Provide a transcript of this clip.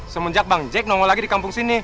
semenjak bang jack nongo lagi di kampung sini